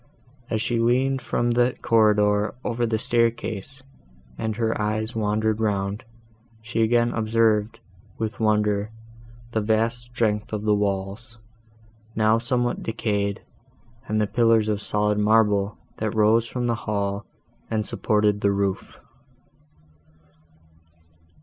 As she leaned from the corridor, over the staircase, and her eyes wandered round, she again observed, with wonder, the vast strength of the walls, now somewhat decayed, and the pillars of solid marble, that rose from the hall, and supported the roof.